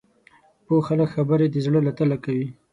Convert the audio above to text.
پوه خلک خبرې د زړه له تله کوي